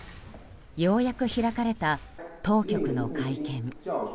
ようやく開かれた当局の会見。